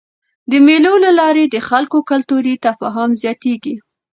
د مېلو له لاري د خلکو کلتوري تفاهم زیاتېږي.